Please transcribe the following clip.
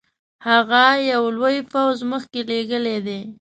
هغه یو لوی پوځ مخکي لېږلی دی.